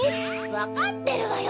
わかってるわよ！